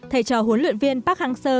thầy chó huấn luyện viên park hang seo